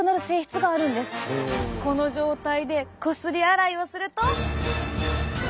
この状態でこすり洗いをすると。